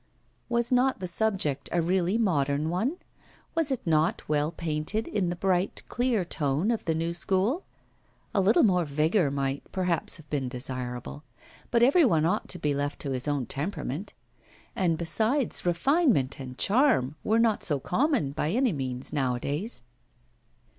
Was not the subject a really modern one? Was it not well painted, in the bright clear tone of the new school? A little more vigour might, perhaps, have been desirable; but every one ought to be left to his own temperament. And besides, refinement and charm were not so common by any means, nowadays.